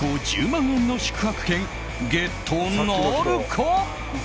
１０万円の宿泊券ゲットなるか？